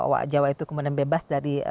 owak jawa itu kemudian bebas dari